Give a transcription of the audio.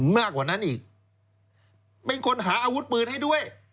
มากกว่านั้นอีกเป็นคนหาอาวุธปืนให้ด้วย